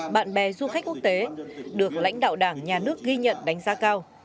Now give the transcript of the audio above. bạn bè du khách quốc tế được lãnh đạo đảng nhà nước ghi nhận đánh giá cao